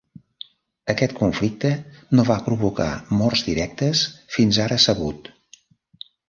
Aquest conflicte no va provocar morts directes, fins ara sabut.